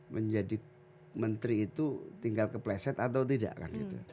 menjadi menteri itu tinggal kepleset atau tidak kan